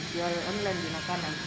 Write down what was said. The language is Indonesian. jual online makanan